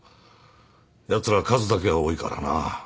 やつら数だけは多いからな。